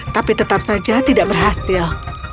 tapi tetap saja tidak berhasil